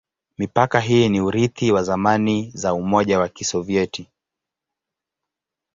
Mipaka hii ni urithi wa zamani za Umoja wa Kisovyeti.